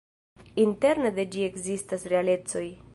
Interne de ĝi ekzistas realecoj.